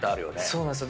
そうなんです。